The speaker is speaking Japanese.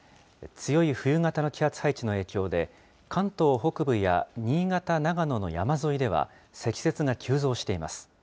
強い冬型の気圧配置の影響で、関東北部や新潟、長野の山沿いでは、積雪が急増しています。